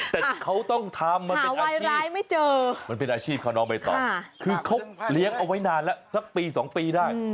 แต่เขาต้องทำมันเป็นอาชีพเขาน้องไปต่อคือเขาเลี้ยงเอาไว้นานละสักปีสองปีได้